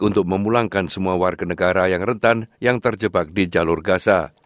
untuk memulangkan semua warga negara yang rentan yang terjebak di jalur gaza